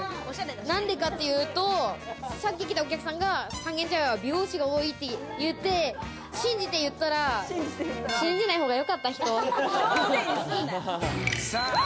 何でかっていうと、さっき来たお客さんが三軒茶屋は美容師が多いって言って、信じて言ったら信じない方が良かった。